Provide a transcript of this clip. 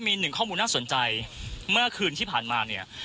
มีหนึ่งข้อมูลน่าสนใจเมื่อคืนที่ผ่านมาเนี่ย